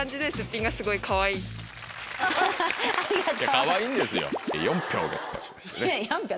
かわいいんですよ。